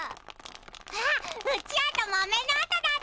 あっうちわとまめのおとだったのね。